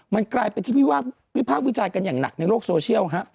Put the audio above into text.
มันกลายเป็นที่วิพากษ์วิจารณ์กันอย่างหนักในโลกโซเชียล